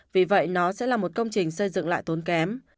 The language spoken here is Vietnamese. vì vậy nó sẽ là một công trình xây dựng lại tốn kém